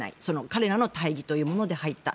彼らの大義というもので入った。